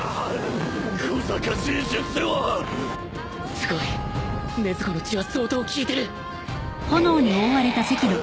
すごい禰豆子の血は相当効いてるうう！